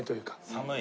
寒い？